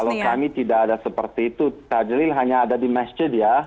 kalau kami tidak ada seperti itu tajlil hanya ada di masjid ya